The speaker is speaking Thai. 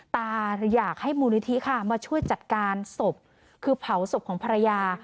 อยากให้มูลนิธิค่ะมาช่วยจัดการศพคือเผาศพของภรรยา